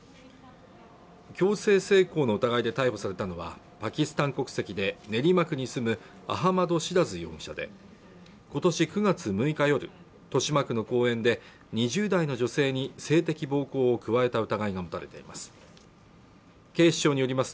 強制性交の疑いで逮捕されたのはパキスタン国籍で練馬区に住むアハマド・シラズ容疑者でことし９月６日夜豊島区の公園で２０代の女性に性的暴行を加えた疑いが持たれています